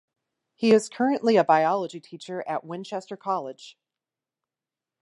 He is currently a Biology teacher at Winchester College.